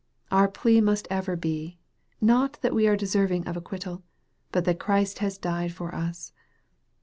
Our plea must ever be, not that we are deserving of acquittal, but that Christ has died for us.